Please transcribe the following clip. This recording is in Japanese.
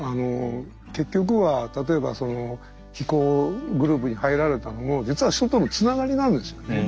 結局は例えば非行グループに入られたのも実は人とのつながりなんですよね。